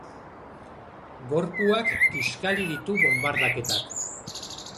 Gorpuak kiskali ditu bonbardaketak.